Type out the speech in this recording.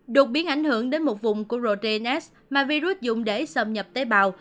đột biến ảnh hưởng đến một vùng của protein s mà virus dùng để xâm nhập tế bào